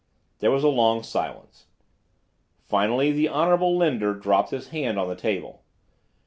There was a long silence. Finally the Honorable Linder dropped his hand on the table.